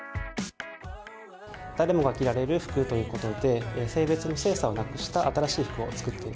誰もが着られる服ということで、性別の性差をなくした新しい服を作っている。